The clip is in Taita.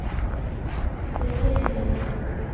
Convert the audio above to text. Msekediliw'a